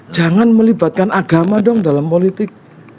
jangan melibatkan agama dong dalam politik